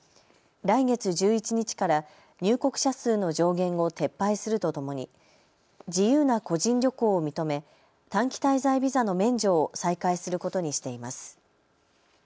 来月１１日から入国者数の上限を撤廃するとともに自由な個人旅行を認め短期滞在ビザの免除を再開することにしています。